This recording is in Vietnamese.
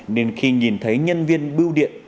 nên khi nhìn thấy nhân viên bưu điện